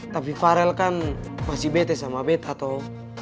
tapi farel kan masih bete sama betta toh